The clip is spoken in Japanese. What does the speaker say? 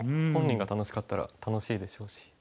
本人が楽しかったら楽しいでしょうし。